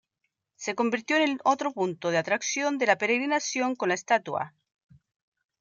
Se convirtió en el otro punto de atracción de la peregrinación con la estatua.